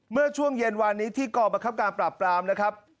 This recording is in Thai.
เมื่อช่วงเย็นวานนี้ที่กรประคับการปราบปรามนะครับ